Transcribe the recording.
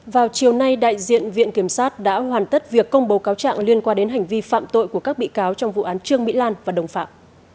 vào chiều nay đại diện viện kiểm sát đã hoàn tất việc công bố cáo trạng liên quan đến hành vi phạm tội của các bị cáo trong vụ án trương mỹ lan và đồng phạm